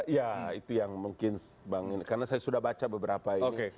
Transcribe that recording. ya itu yang mungkin bang ini karena saya sudah baca beberapa ini